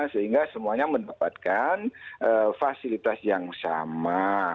sehingga semuanya mendapatkan fasilitas yang sama